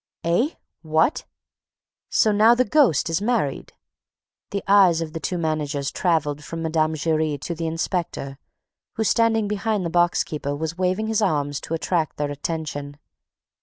"Eh? What? So now the ghost is married!" The eyes of the two managers traveled from Mme. Giry to the inspector, who, standing behind the box keeper, was waving his arms to attract their attention.